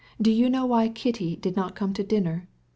"Do you know why Kitty didn't come to dinner?